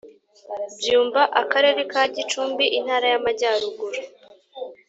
Byumba Akarere ka Gicumbi Intara yamajyaruguru